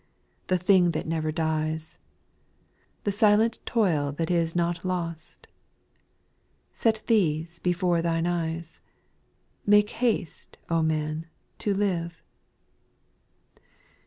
The thing that never dies • SPIRITUAL SONGS. 231 The silent toil that is not lost, — Set these before thine eyes. Make haste, O man, to live